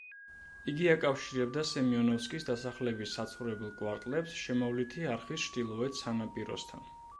იგი აკავშირებდა სემიონოვსკის დასახლების საცხოვრებელ კვარტლებს შემოვლითი არხის ჩრდილოეთ სანაპიროსთან.